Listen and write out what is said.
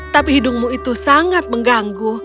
tapi hidungmu itu sangat mengganggu